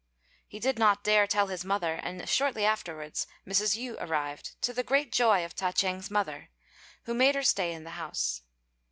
He did not dare tell his mother, and shortly afterwards Mrs. Yü arrived, to the great joy of Ta ch'êng's mother, who made her stay in the house.